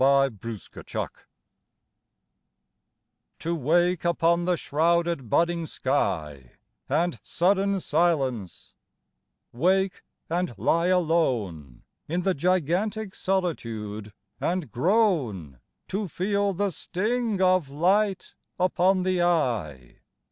107 XIV INSOMNIA To wake upon the shrouded budding sky And sudden silence wake and lie alone In the gigantic solitude, and groan To feel the sting of light upon the eye.